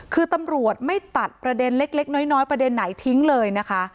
คือตำรวจไม่ตัดประเด็นเล็กน้อยประเด็นไหนทิ้งเลยนะคะ